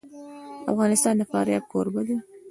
افغانستان د فاریاب کوربه دی.